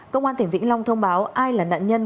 công an tỉnh vĩnh long thông báo ai là nạn nhân